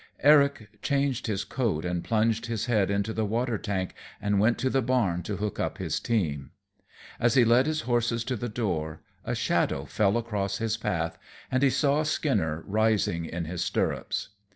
Eric changed his coat and plunged his head into the watertank and went to the barn to hook up his team. As he led his horses to the door, a shadow fell across his path, and he saw Skinner rising in his stirrups.